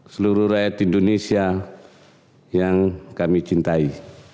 seluruh rakyat indonesia yang kami cintai